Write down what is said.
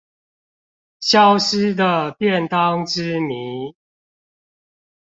消失的便當之謎